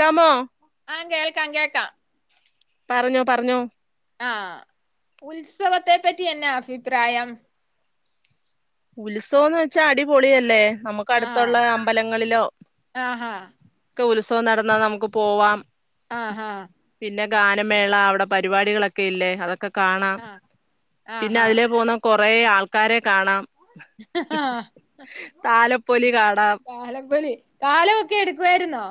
ക്കാമോ ആഹ് കേൾക്കാ കേൾക്കാം പറഞ്ഞോ പറഞ്ഞോ ആഹ് ഉത്സവത്തെ പറ്റി എന്നാ അഭിപ്രായം ഉത്സവം എന്ന് വെച്ചാൽ അടിപൊളിയല്ലേ നമുക്ക് ആഹ് അടുത്തുള്ള അമ്പലങ്ങളിലോ ആഹാ ഒക്കെ ഉത്സവം നടന്നാൽ നമുക്ക് പോവാം. ആഹ് ആഹ്. പിന്നെ ഗാനമേള അവിടെ പരിപാടികളൊക്കെ ഇല്ലേ അതൊക്കെ. ഒക്കെ കാണാം ആഹ് പിന്നെ ആഹാ അതിലെ പോകുന്ന കൊറ ആൾക്കാരെ കാണാം. ആഹ് താലപ്പൊലി കാണാം താലപ്പൊലി. താലമൊക്കെ എടുക്കുവായിരുന്നോ?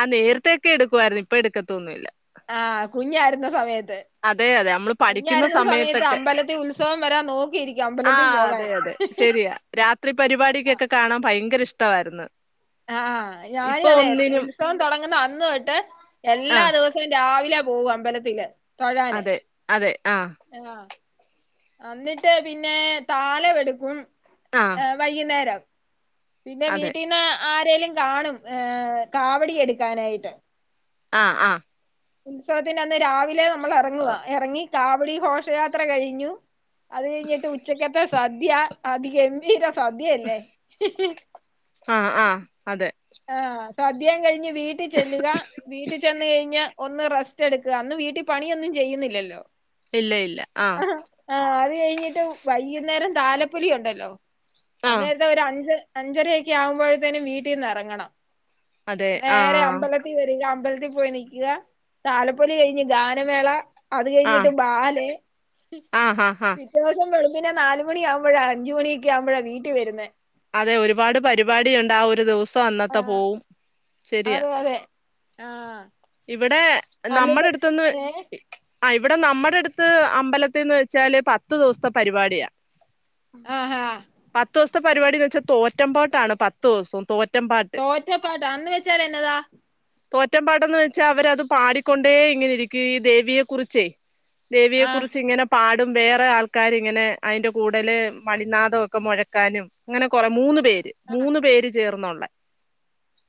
ആഹ് നേരത്തെൊക്കെ എടുക്കുവായിരുന്നു ഇപ്പ എടുക്കത്തൊന്നുമില്ല. ആഹ് കുഞ്ഞായിരുന്ന സമയത്ത്. അതെ അതെ നമ്മള് പഠിക്കുന്ന കുഞ്ഞായിരുന്ന സമയത്ത് സമയത്തൊക്കെ അമ്പലത്തിൽ ഉത്സവം വരാൻ നോക്കിയിരിക്കും ആ അമ്പലത്തിൽ പോകാൻ. അതെ അതെ ശരിയാ രാത്രി പരിപാടിക്കൊക്കെ കാണാൻ ഭയങ്കര ഇഷ്ടമായിരുന്നു. ആഹ് ഇപ്പൊ ഞാനും അതെ ഒന്നിനും ഉത്സവം തുടങ്ങുന്ന അന്ന് തൊട്ട് ആ എല്ലാ ദിവസവും. രാവിലെ പോകും അമ്പലത്തിൽ. അതെ അതെ ആഹ് ആഹ്. എന്നിട്ട് പിന്നെ താലം എടുക്കും. ആഹ്. വൈകുന്നേരം പിന്നെ വീട്ടീന്ന്. ആരേലും കാണും ഏഹ് കാവടി എടുക്കാനായിട്ട്. ആഹ് ആഹ്. ഉത്സവത്തിന്റെ അന്ന് രാവിലെ നമ്മൾ ഇറങ്ങുവ ഇറങ്ങി കാവടി ഘോഷയാത്ര കഴിഞ്ഞു. അത് കഴിഞ്ഞിട്ട് ഉച്ചക്കത്തെ സദ്യ അതി ഗംഭീരം. സദ്യല്ലേ. ആഹ് ആഹ് അതെ. ആഹ് സദ്യം കഴിഞ്ഞ് വീട്ടിൽ ചെല്ലുക വീട്ടിൽ ചെന്ന് കഴിഞ്ഞ ഒന്ന് റെസ്റ്റ് എടുക്കുക അന്ന് വീട്ടിൽ പണിയൊന്നും ചെയ്യുന്നില്ലല്ലോ. ഇല്ല ഇല്ല ആഹ്. ആഹ് അത് കഴിഞ്ഞിട്ട് വൈകുന്നേരം താലപ്പൊലി ഉണ്ടല്ലോ ആഹ് അന്നേര ഞ് അഞ്ച് അഞ്ചരൊക്കെ ആവുമ്പോഴത്തേനും വീട്ടിൽന്ന് ഇറങ്ങണം അതെ നേരെ ആഹ് അമ്പല വരിക അമ്പലത്തിൽ പോയി നിൽക്കുക താലപ്പൊലി കഴിഞ്ഞ് ഗാനമേള. അത് ആഹ് കഴിഞ്ഞിട്ട് ബാല് ആഹ് ആഹ് ആഹ് ദിവസം വെളുപിന്നെ നാലുമണിയാവുമ്പോഴ അഞ്ചു മണിയൊക്ക ആകുമ്പോഴ വീട്ടിൽ വരുന്നെ. അതെ ഒരുപാട് പരിപാടിയുണ്ട് ആഹ് ഒരു ദിവസം ആ അന്നത്തെ പോകും. അതെ അതെ. ആ ഇവിടെ എന്നിട്ട് നമ്മടെ അടുത്തൊന്ന്. ഏ ആഹ ഇവിടെ നമ്മുടെ അടുത്ത് അമ്പലത്തിന്ന് വെച്ചാല് പത്തു ദിവസത്തെ പരിപാടിയാ. ആഹ് ആഹ. പത്ത് ദിവസത്തെ പരിപാടിന്ന് വച്ചാൽ തോറ്റമ്പാട്ടാണ് പത്ത് ദിവസം തോറ്റ തോറ്റപ്പാട്ടാ അന്ന് വെച്ചാൽ എന്നതാ. തോറ്റ പാടന്ന് വെച്ചാ അവരത് പാടിക്കൊണ്ടേ ഇങ്ങനെ ഇരിക്കും ഈ ദേവിയെ കുറിച്ചേ. ദേവിയെ ആ കുറിച്ച് ഇങ്ങനെ. പാടും വേറെ ആൾക്കാരി ഇങ്ങനെ അതിന്റെ കൂടുല് മണിനാഥംക്കെ മുഴക്കാനും. അങ്ങനെ കൊറേ മൂന്ന് പേര് ആ മൂന്ന് പേര് ചേർന്നള്ള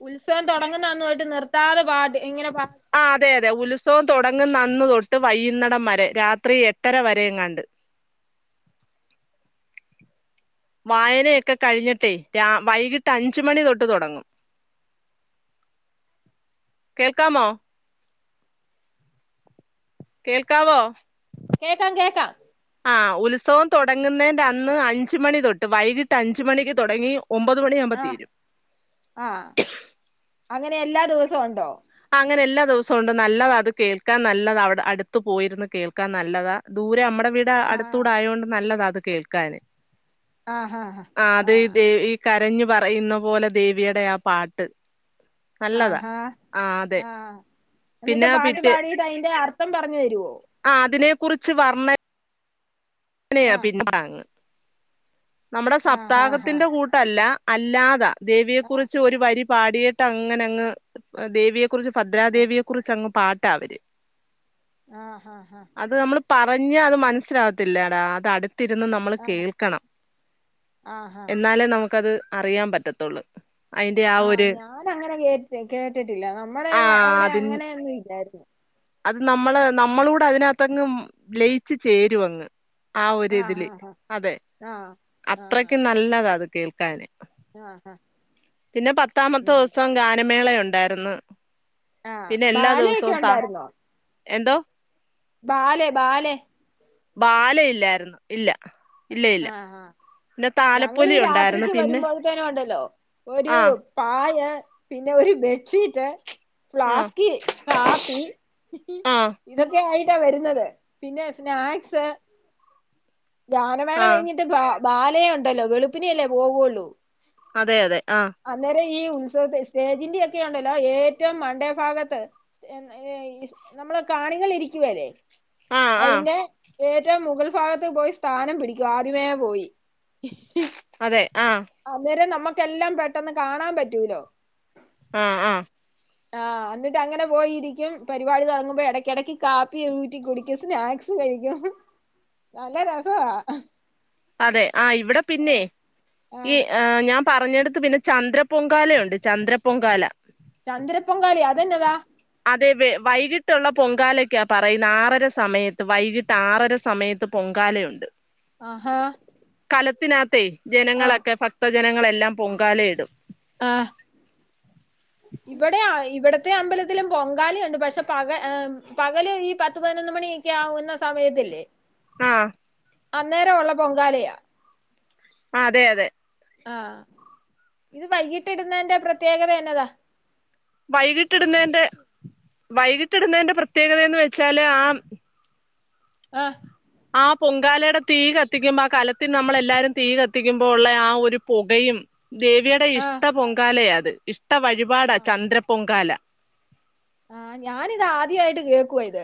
ഉത്സവം തുടങ്ങുന്നതന്ന പോയിട്ട് നിർത്താത പാട് ഇങ്ങനെ. ആഹ് അതെ അതെ ഉത്സവം തുടങ്ങന്ന അന്ന് തൊട്ട് വൈ്യുന്നിടം വരെ രാത്രി എട്ടര വരെയങ്ങാണ്ട്. വായനയൊക്കെ കഴിഞ്ഞട്ടെ രാ വൈകിട്ട് അഞ്ചുമണി തൊട്ട് തുടങ്ങും. കേൾക്കാമോ? കേൾക്കാവോ? കേക്കാം കേക്കാം. ആഹ് ഉത്സവം തുടങ്ങുന്നതിന്റെ അന്ന് അഞജ്‌ മണി തൊട്ട് വൈകിട്ട് അഞ്ച മണിക്ക് തുടങ്ങി. ഒമ്പത് മണിയാവുമ്പോ തിരും. ആഹ് അങ്ങനെ എല്ലാ ദിവസവും ഉണ്ടോ. അങ്ങനെ എല്ലാ ദിവസം കൊണ്ട് നല്ലതാ അത് കേൾക്കാൻ നല്ലതാ അവിടെ അടുത്ത പോയിരുന്ന് കേൾക്കാൻ നല്ലതാ ദൂരെ നമ്മടെ വീട് ആ അടുത്തൂടെ ആയതൊണ്ട് നല്ലത അത് കേൾക്കൻ ആഹാ ആഹ് ആ അത് േദവി കരഞ്ഞു പറയുന്ന പോലെ ദേവിയുടെ ആഹ് പാട്ട്. നല്ലതാ ആഹാ ആ അതെ ആഹ് എന്നിട്ട് പിന്നെ പാട്ട് പാടിട്ട് അതിന്റെ അർത്ഥം പറഞ്ഞു തരുവോ. ആഹ് അതിനെ കുറിച്ച് വർണ അങ്ങന ആഹ് പി നമ്മുടെ ആഹ് ആഹ് സപ്താഹത്തിന്റെ കൂട്ടല്ല അല്ലാതാ ദേവിയെ കുറിച്ച് ആഹ് ഒരു വരി പാടിട്ട് അങ്ങനെ അങ്ങ് ദേവിയ കുറിച്ച് ഭദ്രാദേവിയെ കുുറിച്ച് അങ്ങ് പാട്ടാ അവര് ആഹ് ഹാ ഹാ ഹാ. അത് നമ്മൾ പറഞ്ഞ അത് മനസ്സിലാവത്തില്ലേടാ അത് അടു തിരുന്ന് നമ്മള് ആഹ് കേൾക്കണം ആഹ് ആഹ് എന്നാലേ നമുക്കത് അറിയാൻ പറ്റത്തുള്ളൂ. അതിന്റെ ആ ആഹ് ഒരു ഞാങ്ങനെ കേട്ട് കേട്ടിട്ടില്ല നമ്മളെ ആ അവിടെ അതി അങ്ങനെയൊന്നും ഇല്ലായിരുന്നു. അത് നമ്മള് നമ്മള കൂടെ അതിനകത്തങ്ങ് ലയിച്ച് ചേരു അങ്ങ്. ആഹ് ഒരിതില് അതെ ആഹ് ആഹ് അത്രയ്ക്കും നല്ലതാ അത് കേൾക്കാന്. ആഹ് ആഹ് പിന്നെ പത്താമത്തെ ഉം ദിവസം ഗാനമേളയ ഉണ്ടായിരുന്നു. ആഹ് പിന്നെ എല്ലാ ബല്യൊക്കെ ദിവസവും താ ഉണ്ടായിരുന്നോ. എന്തോ. Ballet ballet. ബാലയില്ലായിരുന്നു ഇല്ല ഇല്ല ഇല്ല. പിന്നെ ഞങ്ങീഈ താലപ്പൊലി ഉണ്ടായിരുന്നു രാത്രിക്ക് പിന്നെ വരുമ്പോഴത്തേനെ ഉണ്ടല്ലോ ഒരു ആ പായ പിന്നെ ഒരു ബെഡ്ഷീറ്റ് ആ ഫ്ലാസ്ക് കാപ്പി ആ ഇതൊക്കെയിട്ടാ വരുന്നത് പിന്നെ സ്നാക്സ് ധാനമേള ആ കയിഞ്ഞിട്ട് ബ ബാലയേ ഉണ്ടല്ലോ വെളുപ്പിനേ അല്ലേ പോകുള്ളൂ. അതെ അതെ ആഹ്. അന്നേരം ഈ ഉത്സവത് സ്റ്റേജിന്റെ ഒക്കെണ്ടല്ലോ ഏറ്റവും മണ്ടേ ഭാഗത്ത്. നമ്മളെ കാണികൾ ഇരിക്കുവലെ. ആ ആ അയിന്റെ ഏറ്റവും മുകൾ ഭാഗത്ത് പോയി സ്ഥാനം പിടിക്കും ആദ്യമേ പോയി. അതെ ആഹ്. അന്നേരം നമ്മുക്കെല്ലാം പെട്ടെന്ന് കാണാൻ പറ്റൂലോ. ആഹ് ആഹ്. [inaudible] ആഹ് എന്നിട്ട് അങ്ങനെ പോയിരിക്കും പരിപാടി തുടങ്ങുമ്പോ ഇടക്കിടക്ക് കാപ്പി ഊറ്റി കുടിക്ക സ്നാക്സ് കഴിക്കും നല്ല രസവാ അതെ ആഹ് ഇവിടെ പിന്നെ ഈ ആഹ് ഞാൻ പറഞ്ഞടുത്ത് പിന്നെ ചന്ദ്ര പൊങ്കാലുണ്ട് ചന്ദ്രപൊങ്കാല. ചന്ദ്ര പൊങ്കാലയൊ അതന്നതാ. അതെ വ വൈകിട്ടുള്ള പൊങ്കാലൊക്കാ പറയുന്ന ആറര സമയത്ത് വൈകിട്ട് ആറര സമയത്ത് പൊങ്കാലയുണ്ട്. ആഹാ കലത്തിനകത്തെ ആഹ് ജനങ്ങളൊക്കെ ഭക്തജനങ്ങളെല്ലാം പൊങ്കാലയിടും. ആഹ്. ഇവിടെയാ ഇവിടത്തെ അമ്പലത്തിലും പൊങ്കാലിയ ഉണ്ട് പക്ഷെ പക പകല് ഈ പത്ത് പതിനൊന്ന് മണി ച്ച ആവുന്ന സമയത്തില്ലേ. ആഹ്. അന്നേര ഉള്ള പൊങ്കാലയ. ആഹ് അതെ അതെ. ആഹ് ഇത് വൈകിട്ട ഇടുന്നെ ന്റെ പ്രത്യേകത എന്നതാ. വൈകീട്ടിട്ന്നേന്റെ വൈകിട്ടിട്ന്നേന്റെ പ്രത്യേകത എന്ന് വെച്ചാല് ആഹ് ആഹ് ആഹ് പൊങ്കാലേടെ തീ കത്തിക്കുമ്പോ ആഹ് കലത്തില് നമ്മളെല്ലാരും തീ കത്തിക്കുമ്പോള്ളേ ആ ഒരു പൊകയും ദേവീടെ ആഹ് ഇഷ്ട പൊങ്കാലയാ അത് ഇഷ്ട വഴിപാടാ ചന്ദ്ര പൊങ്കാല ആഹ് ഞാാനിത് ആദ്യായിട്ട് കേക്കുവാ ഇത്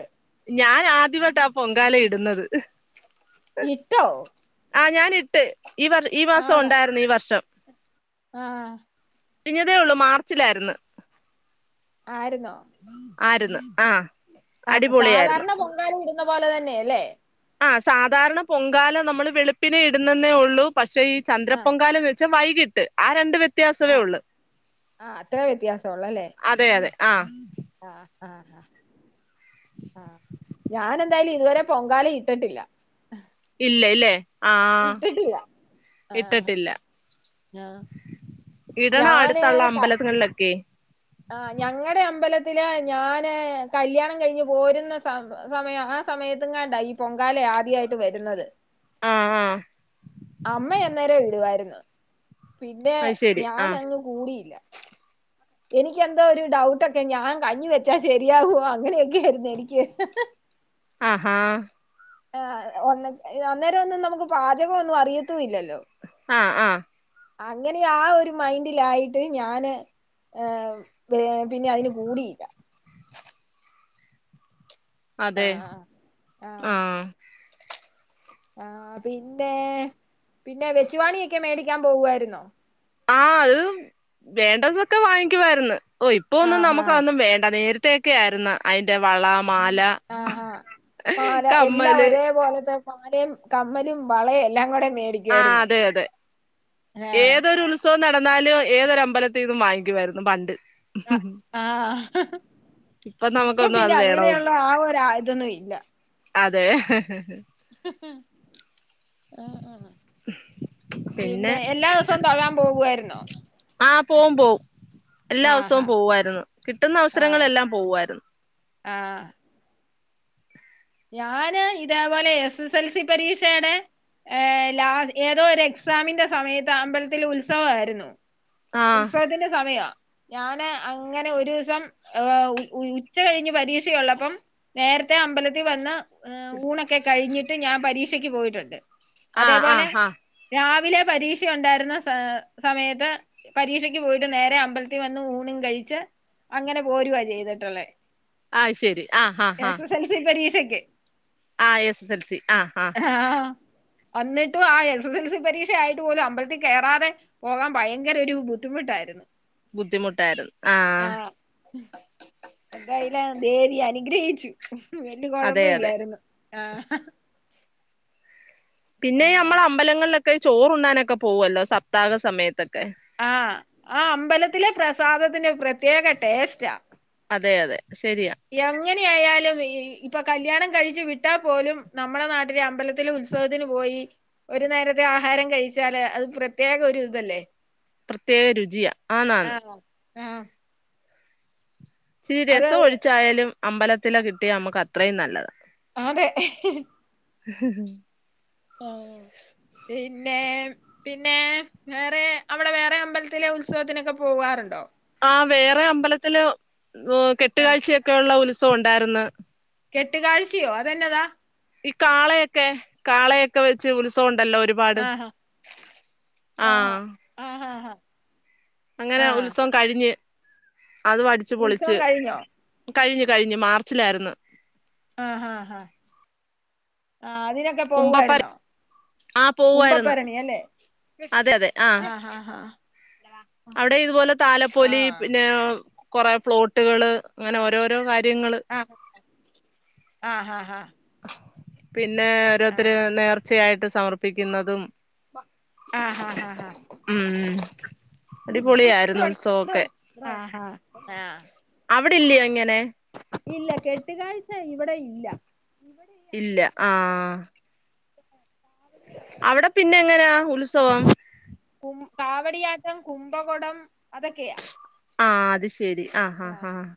ഞാന് ആദ്യവായിട്ട അ പൊങ്കാല ഇടുന്നത് ഇട്ടോ ആഹ് ഞാനിട്ട് ഈ വർ ഈ മാസം ആണോ ഒണ്ടാര്ന്ന് ഈ വർഷം ആഹ് കഴിഞ്ഞതേ ഒള്ളു മാർച്ചിലാര്ന്ന് ആയിരുന്നോ ആര്ന്ന് ആഹ് ആഹ് അടിപൊളിയായിരുന്നു സാധാര്ണ പൊങ്കാല ഇട്ന്ന പോലെ തന്നെ അല്ലേ ആഹ് സാധാര്ണ പൊങ്കാല നമ്മള് വെള്പ്പിനെ ഇടുന്നന്നേ ഒള്ളൂ പക്ഷെ ഈ ചന്ദ്ര ആഹ് പൊങ്കാല വെ ച്ച് വൈകീട്ട് ആ രണ്ട് വ്യത്യാസവേ ആഹ് ഒള്ളൂ ആഹ് അത്രേ വ്യത്യാസൊള്ളൂ അല്ലേ അതെ അതെ ആഹ് ആഹ് ആഹ് ആഹ് ആഹ് ഞാനെന്തായാലും ഇതുവരെ പൊങ്കാല ഇട്ടിട്ടില്ല ഇല്ലലെ ഇട്ടിട്ടില്ല ആഹ് ഇട്ടിട്ടില്ല ആഹ് ഇടണം ഞാന് അട്ത്തള്ള ക അമ്പലത്ത്ന്നോക്കെ ആഹ് ഞങ്ങടെ അമ്പലത്തില് ഞാന് കല്യാണം കഴിഞ്ഞ് പോരുന്ന സ സമയം എഹ് സമയത്തും കാണ്ടാ ഈ പൊങ്കാല ആദ്യായിട്ട് വരുന്നത് ആഹ് ആഹ് അമ്മേ അന്നേരം വിടുവായിരുന്നു പിന്നെ അത് ശരി ആഹ് ഞാനങ്ങ് കൂടിയില്ല എനിക്കെന്തോ ഒരു ഡൗട്ടൊക്കെ ഞാൻ കഞ്ഞി വെച്ചാ ശെരിയാവോ അങ്ങനൊക്കെയായ്രുന്നു എനിക്ക് ആഹ് ഹാ ആഹ് ഒ അന്നേരം ഒന്നും നമുക്ക് പാചകം ഒന്നും അറിയത്തൂല്ലല്ലോ ആഹ് ആഹ് അങ്ങനെ ആഹ് ഒരു മൈൻഡിലായിട്ട് ഞാന് ഏഹ് പിന്നെ ഐന് കൂടിയില്ല അതെ ആഹ് ആഹ് ആഹ് പിന്നെ പിന്നെ വെച്ചുവാണിയൊക്കെ മേടിക്കാൻ പോവായിരുന്നോ ആഹ് അത് വേണ്ടതൊക്കെ വാങ്ങിക്കുവായിര്ന്ന് ഓഹ് ഇപ്പൊ ഒന്നും ആഹ് നമുക്ക് ആഹ് അതൊന്നും വേണ്ട നേരത്തൊക്കെ ആയിര്ന്ന് ഐന്റെ വള മാല ആഹ് ഹാ മാല എല്ലാ കമ്മല് ഒരേ പോലത്തെ മാലേം കമ്മലും വളേം എല്ലാം കൂടെ മേടി ആഹ് അതെ അതെ ആഹ് ഏതൊരു ഉ ൽഝവം നടന്നാലും ഏതൊരമ്പലത്തീന്നും വാങ്ങിക്കുവായിരുന്നു പണ്ട് ആഹ് ആഹ് ഇപ്പൊ നമുക്കൊന്നും പിന്നെ അത് അങ്ങനേ ഒള്ള വേണോന്നും ആ ഒര ഇതൊന്നു ഇല്ല അതെ ആഹ് ആഹ് പിന്നെ എല്ലാ ദിസോം തൊഴാൻ പോകുവായ്ര്ന്നോ ആഹ് പോവും പോവും എല്ലാ ആഹ് സോം ആഹ് പോവാര്ന്നു കിട്ടുന്ന ആഹ് അവസരങ്ങളെല്ലാം പോവാര്ന്നു ആഹ് ഞാന് ഇതേപോലെ എസ് എസ് എൽ സി പരീക്ഷേടെ ഏഹ് ലാ ഏതോ ഒര് എക്സാമിന്റെ സമയത്ത് അമ്പലത്തില് ഉത്സവായിരുന്നു ആഹ് ഉത്സവത്തിന്റെ സമയാ ഞാന് അങ്ങനെ ഒരൂസം ഉച്ച കഴിഞ്ഞ് പരീക്ഷ ഉള്ളപ്പം നേരത്തെ അമ്പല ത്തി വന്ന് ഊണൊക്കെ കഴിഞ്ഞിട്ട് ഞാൻ പരീക്ഷക്ക് പോയിട്ടുണ്ട് ആഹ് അതേപോലെ ആഹ് ആഹ് രാവിലെ പരീക്ഷ ഒണ്ടായിര്ന്ന സ സമയത്ത് പരീക്ഷക്ക് പോയിട്ട് നേരെ അമ്പലത്തി വന്ന ഊണും കഴിച്ച് അങ്ങനെ പോരുവാ ചെയ്തിട്ടുള്ളേ അയ് ശരി ആഹ് ഹ ഹ എസ് എസ് എൽ സി പരീക്ഷക്ക് ആഹ് എസ് എസ് എൽ സി ആഹ് ആഹ് ആഹ് വന്നിട്ടും ആ എസ് എസ് എൽ സി പരീക്ഷ ആയിട്ട് പോലും അമ്പഴത്തിൽ കേറാതെ പോകാൻ ഭയങ്കര ഒരു ബുദ്ധിമുട്ടായിരുന്നു ബുദ്ധിമുട്ടായിരുന്നു ആഹ് എന്തായില്ല ദേവി അനുഗ്രഹിച്ചു വല്യയ അതെ കുഴപ്പ അതെ ഇല്ലായിരുന്നു ആഹ് പിന്നെ ആഹ് നമ്മള അമ്പലങ്ങളിലൊക്കെ ചോറുണ്ണാനൊക്കെ പോവല്ലോ സപ്താഹ സമയത്തൊക്കെ ആഹ് ആ അമ്പലത്തിലെ പ്രസാദത്തിന്റെ പ്രത്യേക ടേസ്റ്റാ അതെ അതെ ശരിയ എങ്ങനെ ആയാലും ഇപ്പൊ കല്യാണം കഴിച്ചു വിട്ടാൽ പോലും നമ്മുടെ നാട്ടിലെ അമ്പലത്തിലും ഉൽ ഉത്സവത്തിന് പോയി ഒരു നേരത്തെ ആഹാരം കഴിച്ചാല് അത് പ്രത്യേക ഒരു ഇതല്ലേ പ്രത്യേക രുചിയാ ആന്ന് ആന്ന് ആഹ് ആഹ് ഇച്ചിരി അതെ രസം അതെ ഒഴിച്ചായാലും അമ്പലത്തിലെ കിട്ടിയാ നമ്മക്ക് അത്രയും നല്ലത് അതെ [unintelligible] ആഹ് പിന്നെ പിന്നെ വേറെ അവിടെ വേറെ അമ്പലത്തിലെ ഉത്സവത്തിനൊക്കെ പോകാറുണ്ടോ ആഹ് വേറെ അമ്പലത്തില് ആ കെട്ടുകാഴ്ചയൊക്കെ ഉള്ള ഉത്സവം ഉണ്ടാരുന്ന് കെട്ട്കാഴ്ചയോ അതെന്നതാ ഈ കാളയൊക്കെ കാളയൊക്കെ വെച്ച് ഉത്സവം ഉണ്ടല്ലോ ഒരു ആഹ് ആഹ് ആഹ് ആഹ് അങ്ങനെ ഉത്സവം കഴിഞ്ഞ് അതും അടിച്ചു ഉത്സവം പൊളിച്ച് കഴിഞ്ഞോ കഴിഞ്ഞു കഴിഞ്ഞു മാർച്ചിലായിരുന്നു ആഹ് ഹാ ഹാ ആഹ് അതിനൊക്കെ പോകുവായിരുന്നോ ആഹ് പോവുവായിരുന്നു അതെ അതെ ആഹ് ആഹാഹാ അവിടെ ഇതുപോലെ താലപ്പൊലി ആഹ് പിന്നെ കൊറെ ഫ്ലോട്ടുകള് ആഹ് ആഹ് ആഹ് പിന്നെ ഓരോരുത്തര് നേർച്ചയായിട്ട് സമർപ്പിക്കുന്നതും ആഹ് ഹാ ഹാ ഹാ ഉം അടിപൊളിയായിരുന്നു ഉത്സവൊക്കെ ആഹാ ആഹ് അവിടെ ഇല്ലയോ ഇങ്ങനെ ഇല്ല കെട്ടുകാഴ്ച ഇവിടെ ഇല്ല ഇവിടെ ഈ ഇല്ല അമ്പല ആഹ് ഉ കാവടി ആടും അവിടെ പിന്നെ എങ്ങനാ ഉത്സവം കും കാവടിയാട്ടം കുംഭകോടം അതൊക്കെയാ ആഹ് അത് ശെരി ആഹ് ആ ആഹ് ആഹ്